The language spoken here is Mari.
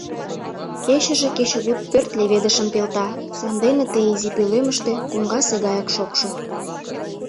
Кечыже кечыгут пӧрт леведышым пелта, сандене ты изи пӧлемыште коҥгасе гаяк шокшо.